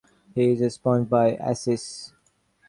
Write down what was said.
He is sponsored by Asics.